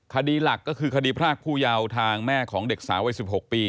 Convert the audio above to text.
คดีหลักก็คือคดีพรากผู้เยาว์ทางแม่ของเด็กสาววัย๑๖ปี